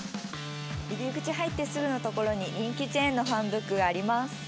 入り口、入ってすぐのところに人気チェーンのファンブックがあります。